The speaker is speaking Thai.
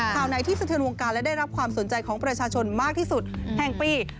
ข่าวไหนที่สะเทือนวงการและได้รับความสนใจของประชาชนมากที่สุดแห่งปี